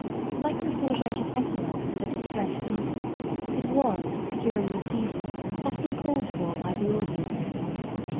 Like the celebrated Epilogue to the Distressed Mother, it was, during the season, often called for by the audience.